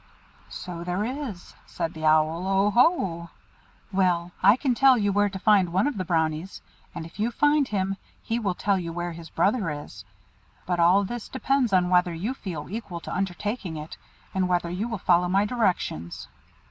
"So there is," said the Owl. "Oohoo! Well, I can tell you where to find one of the Brownies; and if you find him, he will tell you where his brother is. But all this depends upon whether you feel equal to undertaking it, and whether you will follow my directions."